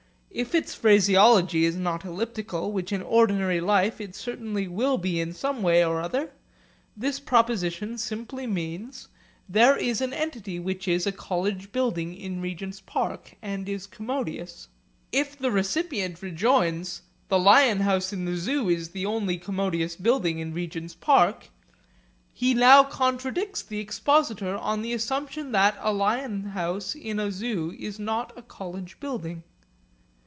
If its phraseology is not elliptical, which in ordinary life it certainly will be in some way or other, this proposition simply means, 'There is an entity which is a college building in Regent's Park and is commodious.' If the recipient rejoins, 'The lion house in the Zoo is the only commodious building in Regent's Park,' he now contradicts the expositor, on the assumption that a lion house in a Zoo is not a college building.